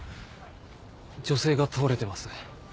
女性が倒れてます。